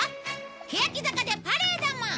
けやき坂でパレードも！